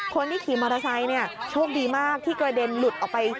คนที่ขี่มอเตอร์ไซค์เนี่ยโชคดีมากที่กระเด็นหลุดออกไป